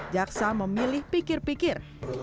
jaksa memilih pikir pikir